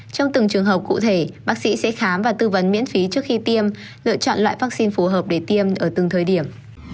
trong từng trường hợp cụ thể bác sĩ sẽ khám và tư vấn miễn phí trước khi tiêm lựa chọn loại vaccine phù hợp để tiêm ở từng thời điểm